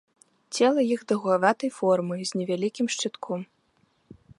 Цела іх даўгаватай формы з невялікім шчытком.